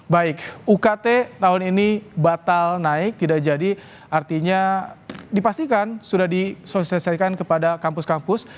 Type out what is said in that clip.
baik ukt tahun ini batal naik tidak jadi artinya dipastikan sudah disosialisasikan kepada kampus kampus